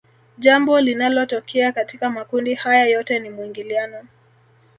Jambo linalotokea katika makundi haya yote ni mwingiliano